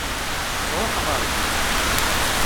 Tṛuḥ ɣer din.